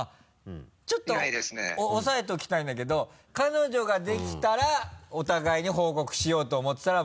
ちょっと押さえておきたいんだけど彼女が出来たらお互いに報告しようと思ってたら○。